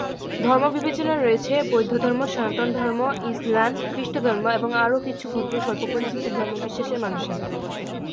ধর্মবিবেচনায় রয়েছে বৌদ্ধধর্ম, সনাতন ধর্ম, ইসলাম, খ্রিষ্টধর্ম এবং আরো কিছু ক্ষুদ্র-স্বল্পপরিচিত ধর্মবিশ্বাসের মানুষেরা।